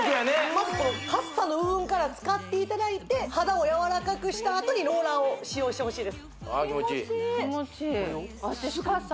まずこのカッサの部分から使っていただいて肌をやわらかくしたあとにローラーを使用してほしいですああ気持ちいい私カッサ